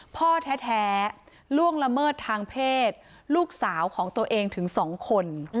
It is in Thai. พ่อแท้ล่วงละเมิดทางเพศลูกสาวของตัวเองถึง๒คน